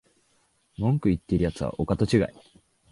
文句言ってるやつはお門違い